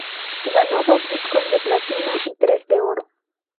Ganó dos discos de platino, tres de oro.